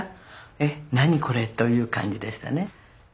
えっ何これという感じでしたね。